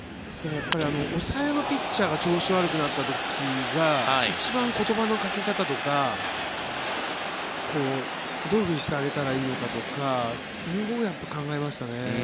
抑えのピッチャーが調子が悪くなった時が一番、言葉のかけ方とかどういうふうにしてあげたらいいかとかすごい考えましたね。